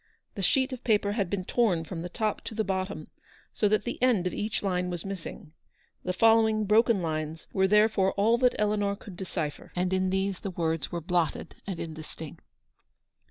The sheet of paper had been torn from the top to the bottom, so that the end of each line was missing. The folio win g broken lines were therefore all that Eleanor could decipher, and in these the words were blotted and indistinct.